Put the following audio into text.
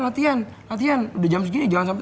latihan latihan udah jam segini jangan sampai